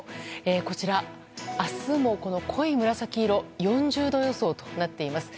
こちら、明日も濃い紫色４０度予想となっています。